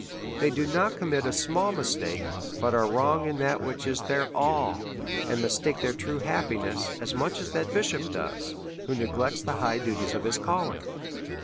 They do not commit a small mis take, but are wrong in that which is their all, and mis take their true happiness as much as that bishop who neglects the high duties of his calling.